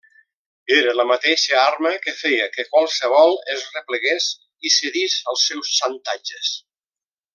Era la mateixa arma que feia que qualsevol es replegués i cedís als seus xantatges.